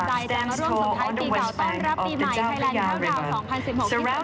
เดียวสามารถเดินทางมาได้อย่างต่อเนื่อง